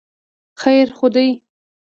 خیر خو دی.